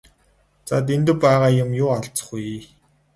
За Дэндэв байгаа юм юу алзах вэ?